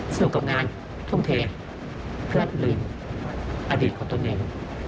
สนุกกับงานทุ่มเทเพื่อลืมอันดีของตนเอง